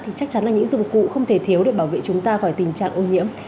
thì chắc chắn là những dụng cụ không thể thiếu để bảo vệ chúng ta khỏi tình trạng ô nhiễm